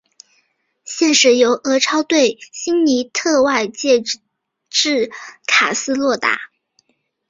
现时由俄超球队辛尼特外借至卡斯洛达。